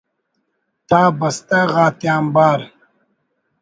تا بستہ غاتیانبار